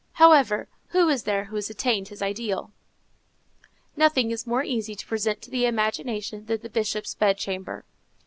However, who is there who has attained his ideal? Nothing is more easy to present to the imagination than the Bishop's bedchamber.